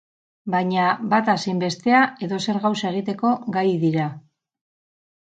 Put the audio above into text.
Baina bata zein bestea edozer gauza egiteko gai dira.